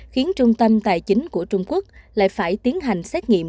khiến trung tâm tài chính của trung quốc lại phải tiến hành xét nghiệm